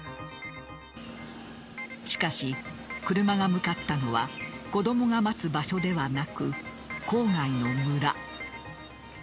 しかし、車が向かったのは子供が待つ場所ではなく郊外の村。